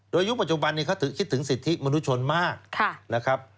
โดยยุคปัจจุบันนี้เขาคิดถึงสิทธิมนุชนมากนะครับ